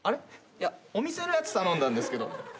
いやお店のやつ頼んだんですけど。